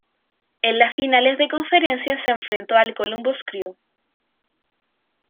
En las finales de conferencia, se enfrentó al Columbus Crew.